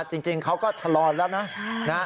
จริงเขาก็ชะลอนแล้วนะ